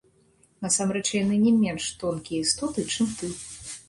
Насамрэч яны не менш тонкія істоты, чым ты.